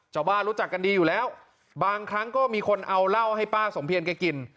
รู้จักกันดีอยู่แล้วบางครั้งก็มีคนเอาเหล้าให้ป้าสมเพียรแกกิน